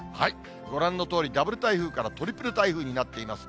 ご覧のとおり、ダブル台風からトリプル台風になっています。